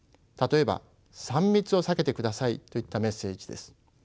例えば「３密を避けてください」といったメッセージです。